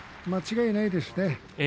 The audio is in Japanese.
間違いないですね。